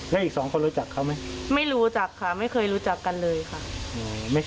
แล้วอีกสองคนรู้จักเขาไหมไม่รู้จักค่ะไม่เคยรู้จักกันเลยค่ะ